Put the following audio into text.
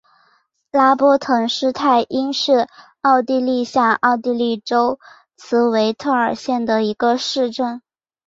拉波滕施泰因是奥地利下奥地利州茨韦特尔县的一个市镇。